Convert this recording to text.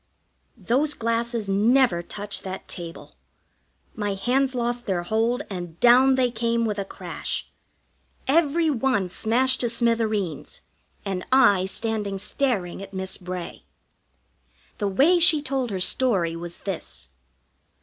Those glasses never touched that table. My hands lost their hold, and down they came with a crash. Every one smashed to smithereens, and I standing staring at Miss Bray. The way she told her story was this.